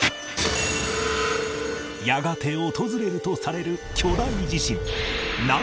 やがて訪れるとされる巨大地震